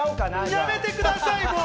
やめてください。